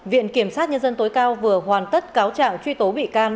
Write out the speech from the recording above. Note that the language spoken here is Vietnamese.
viện kiểm sát nhân dân tối cao vừa hoàn tất cáo trạng truy tố bị can